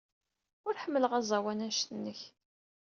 Ur ḥemmleɣ aẓawan anect-nnek.